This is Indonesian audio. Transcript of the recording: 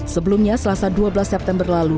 sebelumnya selasa dua belas september lalu